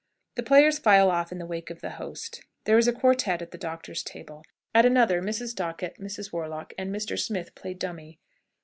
The players file off in the wake of the host. There is a quartet at the doctor's table. At another, Mrs. Dockett, Mrs. Warlock, and Mr. Smith play dummy.